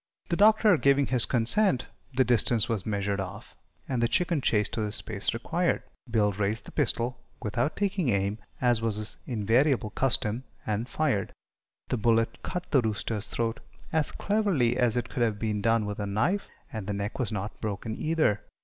The Doctor, giving his consent, the distance was measured off, and the chicken chased to the space required. Bill raised the pistol without taking aim, as was his invariable custom and fired. The bullet cut the rooster's throat as cleverly as it could have been done with a knife, and the neck was not broken either.